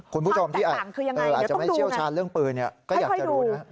คุณผู้ชมที่อาจจะไม่เชี่ยวชาญเรื่องปืนก็อยากจะรู้นะ